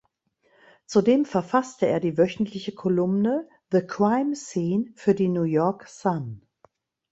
Zudem verfasste er die wöchentliche Kolumne "The Crime Scene" für die New York Sun.